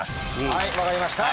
はい分かりました。